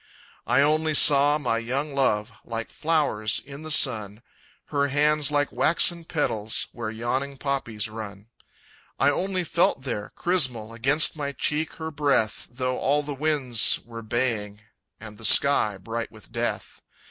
I only saw my young love, Like flowers in the sun Her hands like waxen petals, Where yawning poppies run. I only felt there, chrysmal, Against my cheek her breath, Though all the winds were baying, And the sky bright with Death.